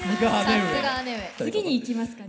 次に行きますかね。